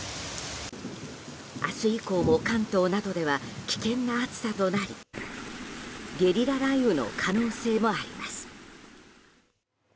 明日以降も、関東などでは危険な暑さとなりゲリラ雷雨の可能性もあります。